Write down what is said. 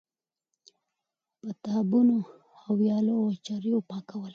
د پاتابونو، ويالو او چريو پاکول